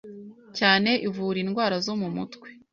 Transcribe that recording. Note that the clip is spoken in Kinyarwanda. cyane ivura indwara zo mu mutwe